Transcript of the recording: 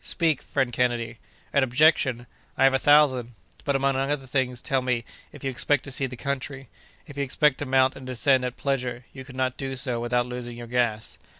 Speak, friend Kennedy." "An objection! I have a thousand; but among other things, tell me, if you expect to see the country. If you expect to mount and descend at pleasure, you cannot do so, without losing your gas.